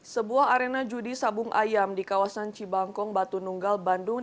sebuah arena judi sabung ayam di kawasan cibangkong batu nunggal bandung